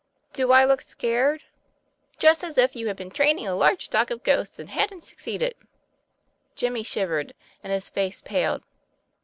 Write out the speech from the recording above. "Do I look scared?" " Just as if you had been training a large stock of ghosts, and hadn't succeeded." Jimmy shivered, and his face paled.